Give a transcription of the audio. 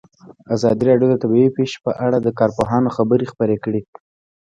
ازادي راډیو د طبیعي پېښې په اړه د کارپوهانو خبرې خپرې کړي.